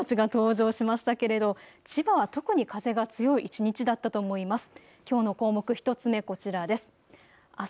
きょうはたくさんのお友達が登場しましたけれど千葉は特に風が強い一日だったと思います。